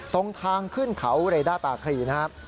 ตรงทางขึ้นเขาเรด้าตาครีนะครับ